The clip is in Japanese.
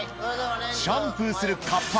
「シャンプーするカッパ」